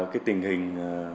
cái tình hình